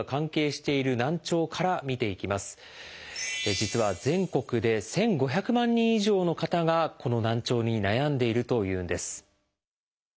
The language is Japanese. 実は全国で１，５００万人以上の方がこの難聴に悩んでいるというんです。